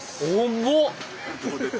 重っ！